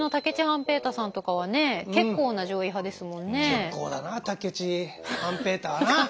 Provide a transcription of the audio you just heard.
結構だな武市半平太はな。